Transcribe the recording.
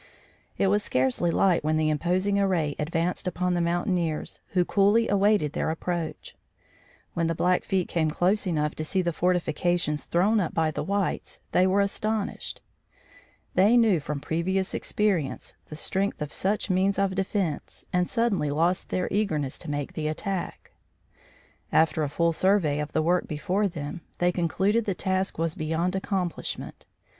It was scarcely light when the imposing array advanced upon the mountaineers, who coolly awaited their approach. When the Blackfeet came close enough to see the fortifications thrown up by the whites, they were astonished. They knew from previous experience the strength of such means of defence and suddenly lost their eagerness to make the attack. After a full survey of the work before them, they concluded the task was beyond accomplishment.